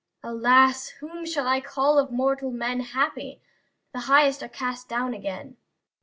LEADER Alas! whom shall I call of mortal men Happy? The highest are cast down again.